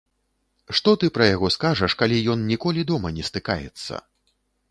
Што ты пра яго скажаш, калі ён ніколі дома не стыкаецца.